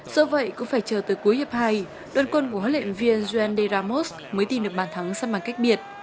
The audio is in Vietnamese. do vậy cũng phải chờ tới cuối hiệp hai đoàn quân của huấn luyện viên juan de ramos mới tìm được bàn thắng sắp bằng cách biệt